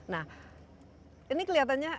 nah ini kelihatannya